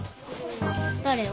誰を？